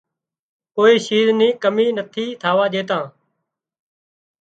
ڪوئي شيز نِي ڪمي نٿي ٿاوا ڄيتان